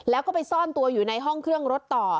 แล้วก็ไปซ่อนตัวอยู่ในห้องเครื่องรถต่อ